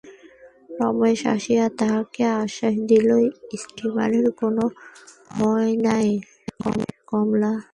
রমেশ আসিয়া তাহাকে আশ্বাস দিল, স্টীমারে কোনো ভয় নাই কমলা।